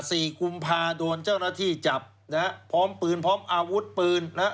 กุมภาโดนเจ้าหน้าที่จับนะฮะพร้อมปืนพร้อมอาวุธปืนนะฮะ